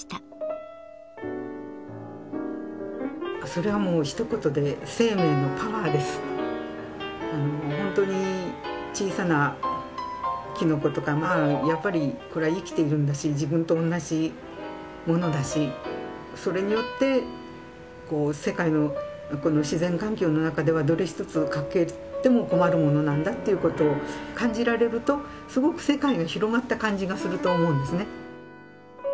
それはもうひと言で本当に小さなきのことかやっぱりこれは生きているんだし自分と同じものだしそれによって世界の自然環境の中ではどれ一つ欠けても困るものなんだということを感じられるとすごく世界が広がった感じがすると思うんですね。